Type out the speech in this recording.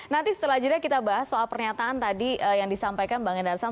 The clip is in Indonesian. nanti setelah jeda kita bahas soal pernyataan tadi yang disampaikan bang endarsam